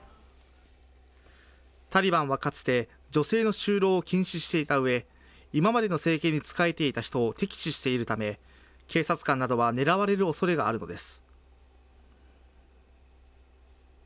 タリバンはかつて、女性の就労を禁止していたうえ、今までの政権に仕えていた人を敵視しているため、警察官などは狙われるおそれがあるのです。